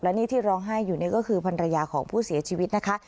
นี่ที่ร้องไห้อยู่นี่ก็คือภรรยาของผู้เสียชีวิตนะคะ